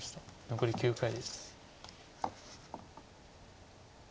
残り９回です。